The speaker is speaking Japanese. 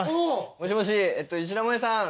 もしもし石田萌さん！